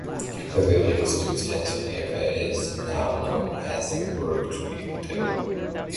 The building still stands today, but is now known as the Bark Tree Hotel.